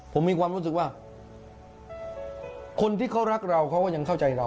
ผมมีความรู้สึกว่าคนที่เขารักเราเขาก็ยังเข้าใจเรา